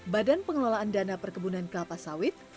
badan pengelolaan dana perkebunan kelapa sawit atau bpdpks